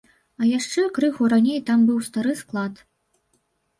А яшчэ крыху раней там быў стары склад.